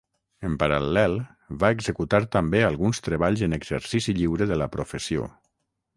En paral·lel, va executar també alguns treballs en exercici lliure de la professió.